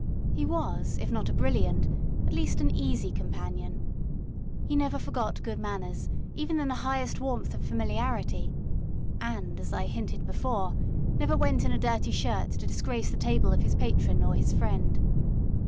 He was, if not a brilliant, at least an easy companion. He never forgot good manners, even in the highest warmth of familiarity, and, as I hinted before, never went in a dirty shirt to disgrace the table of his patron or his friend.